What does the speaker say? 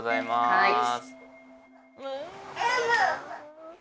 はい！